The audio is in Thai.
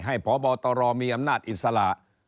พบตรมีอำนาจอิสระ